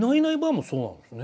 もそうなんですね。